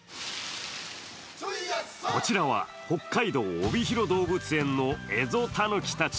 こちらは北海道おびひろ動物園のエゾタヌキたち。